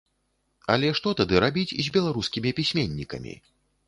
Але што тады рабіць з беларускімі пісьменнікамі?